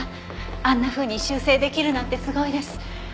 あんなふうに修正出来るなんてすごいです。